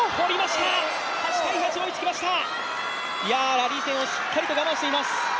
ラリー戦をしっかりと我慢しています。